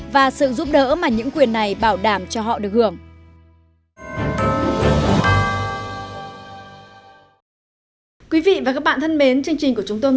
và sự giúp đỡ mà những quyền này bảo đảm cho họ được hưởng